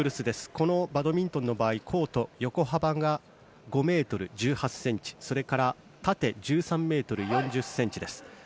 このバドミントンの場合コート、横幅が５ｍ１８ｃｍそれから縦１３ｍ４０ｃｍです。